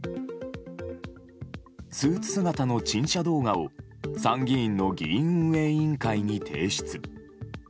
スーツ姿の陳謝動画を参議院の議員運営委員会に提出。